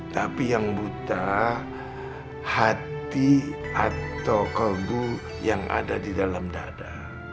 tapi yang buta hati atau kaunggu yang ada di dalam dada